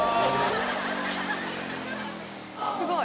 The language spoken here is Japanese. すごい。